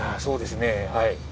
そうですねはい。